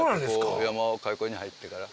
山を開墾に入ってから。